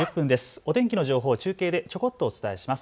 お天気の情報を中継でちょこっとお伝えします。